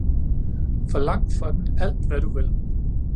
Forlang for den alt, hvad du vil!